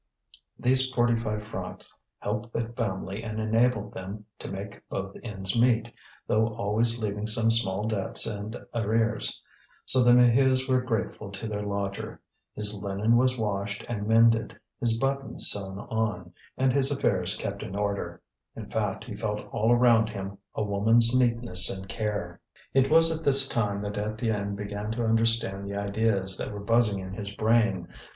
These forty five francs helped the family and enabled them to make both ends meet, though always leaving some small debts and arrears; so the Maheus were grateful to their lodger; his linen was washed and mended, his buttons sewn on, and his affairs kept in order; in fact he felt all around him a woman's neatness and care. It was at this time that Étienne began to understand the ideas that were buzzing in his brain.